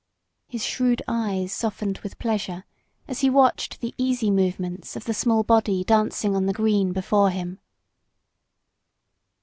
His shrewd eyes softened with pleasure as he watched the easy movements of the small body dancing on the green before him.